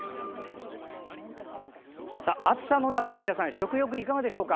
暑さの中で皆さん、食欲はいかがでしょうか？